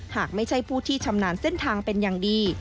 หากไม่ใช่ผู้ที่ชำนาญเส้นทางเป็นอย่างดี